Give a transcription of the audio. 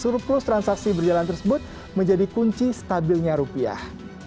surplus transaksi berjalan tersebut menjadi kunci stabilnya rupiah